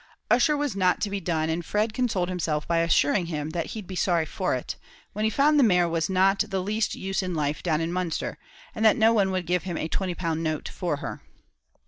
Ussher was not to be done; and Fred consoled himself by assuring him that he'd be sorry for it, when he found the mare was not the least use in life down in Munster, and that no one would give him a twenty pound note for her.